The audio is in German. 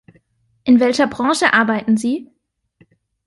In welcher Branche arbeiten Sie?